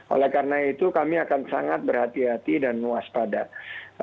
oleh karena itu kami akan sangat berhati hati dan waspada